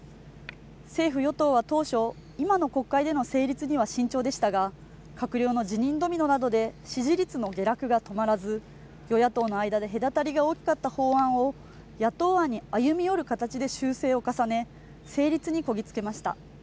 政府与党は当初、今の国会での成立には慎重でしたが閣僚の辞任ドミノなどで支持率の下落が止まらず与野党の間で隔たりが大きかった法案を野党に歩み寄る形で修正を重ね成立にこぎ着けました